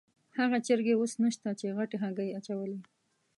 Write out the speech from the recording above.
هغه چرګې اوس نشته چې غټې هګۍ یې اچولې.